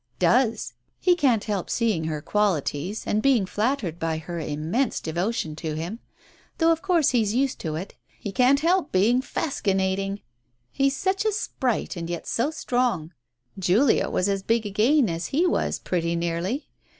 "Does. He can't help seeing her qualities, and being flattered by her immense devotion to him. Though, of course, he's used to it — he can't help being faskynating 1 He's such a sprite and yet so strong. Julia was as big again as he was, pretty nearly.